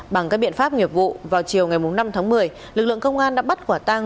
bằng các biện pháp nghiệp vụ vào chiều ngày năm tháng một mươi lực lượng công an đã bắt quả tang